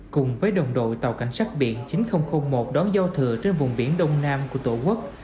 cùng với đồng đội tàu cảnh sát biển chín nghìn một đón giao thừa trên vùng biển đông nam của tổ quốc